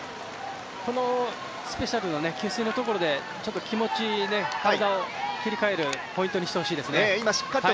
このスペシャル、給水のところで気持ち、体を切り替えるポイントにしてほしいですね。